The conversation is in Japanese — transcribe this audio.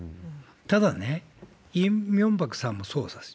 ただ、イ・ミョンバクさんもそうです。